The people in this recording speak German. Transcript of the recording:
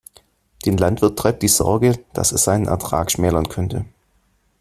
Den Landwirt treibt die Sorge, dass es seinen Ertrag schmälern könnte.